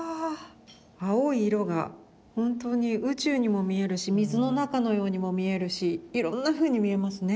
青い色が本当に宇宙にも見えるし水の中のようにも見えるしいろんなふうに見えますね。